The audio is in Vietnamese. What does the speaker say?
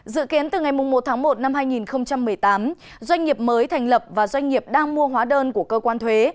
dự kiến từ ngày một tháng một năm hai nghìn một mươi tám doanh nghiệp mới thành lập và doanh nghiệp đang mua hóa đơn của cơ quan thuế